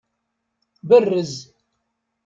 Berrez.